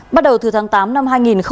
bắt đầu từ tháng tám năm hai nghìn hai mươi